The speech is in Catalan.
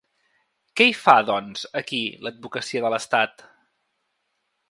Què hi fa, doncs, aquí l’advocacia de l’estat?